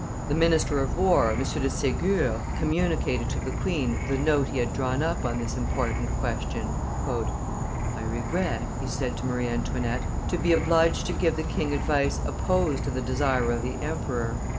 The minister of war, M. de Segur, communicated to the queen the note he had drawn up on this important question. "I regret," he said to Marie Antoinette, "to be obliged to give the king advice opposed to the desire of the emperor."